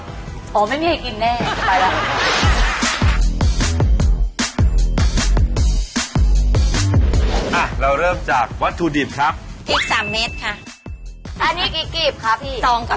ตำเลยค่ะพริกจะได้ไม่กระเด็น